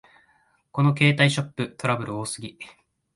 この携帯ショップ、トラブル多すぎ